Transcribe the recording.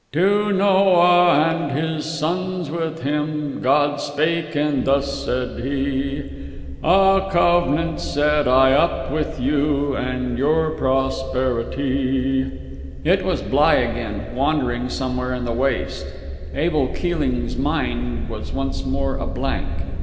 "To Noah and his sons with him God spake, and thus said He: A covenant set I up with you And your posterity " It was Bligh again, wandering somewhere in the waist. Abel Keeling's mind was once more a blank.